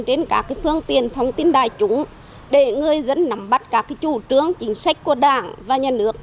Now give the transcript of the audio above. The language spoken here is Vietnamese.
trên các phương tiện thông tin đại chúng để người dân nắm bắt các chủ trương chính sách của đảng và nhà nước